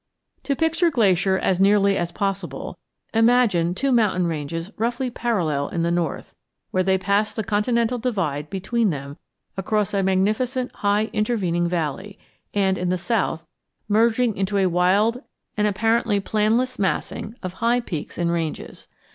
To picture Glacier as nearly as possible, imagine two mountain ranges roughly parallel in the north, where they pass the continental divide between them across a magnificent high intervening valley, and, in the south, merging into a wild and apparently planless massing of high peaks and ranges.